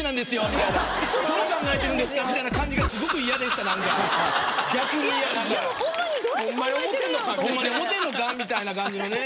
みたいな感じのね。